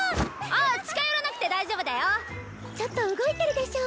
ああ近寄らなくて大丈夫だよちょっと動いてるでしょ？